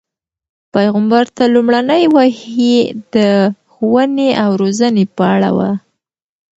پیغمبر ته لومړنۍ وحی د ښوونې او روزنې په اړه وه.